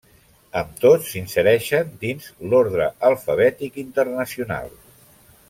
Amb tot s'insereixen dins l'ordre alfabètic internacional.